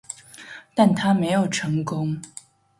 但它没有成功。